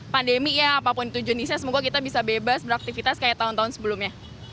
pandemi ya apapun itu jenisnya semoga kita bisa bebas beraktivitas kayak tahun tahun sebelumnya